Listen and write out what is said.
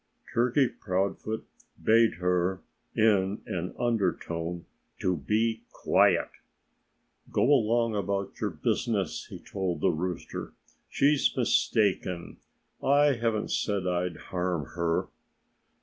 Turkey Proudfoot bade her, in an undertone, to be quiet. "Go along about your business," he told the rooster. "She's mistaken. I haven't said I'd harm her."